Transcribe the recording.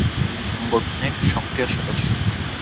মাহবুবুর রহমান বিভিন্ন পেশাজীবী সংগঠনের সক্রিয় সদস্য।